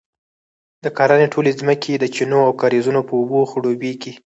د کرنې ټولې ځمکې یې د چینو او کاریزونو په اوبو خړوبیږي،